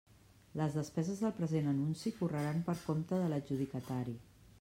Les despeses del present anunci correran per compte de l'adjudicatari.